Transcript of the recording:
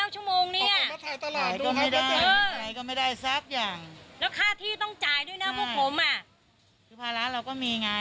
ช่วยลงมาดูหน่อยครับ